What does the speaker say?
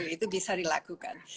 itu bisa dilakukan